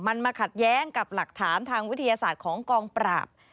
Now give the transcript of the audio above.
มันมาขัดแย้งกับหลักฐานทางวิทยาศาสตร์ของกองปราบ